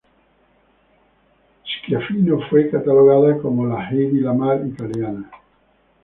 Schiaffino fue catalogada como la Hedy Lamarr italiana.